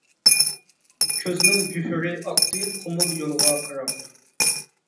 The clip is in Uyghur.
كۆزنىڭ گۆھىرى ئاقتى، قۇمۇل يولغا قاراپ.